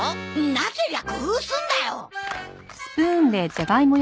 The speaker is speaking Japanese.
なけりゃ工夫するんだよ！